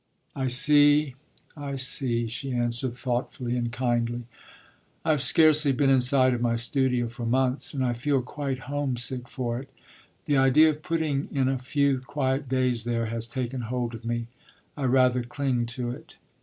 "I see I see," she answered thoughtfully and kindly. "I've scarcely been inside of my studio for months, and I feel quite homesick for it. The idea of putting in a few quiet days there has taken hold of me: I rather cling to it."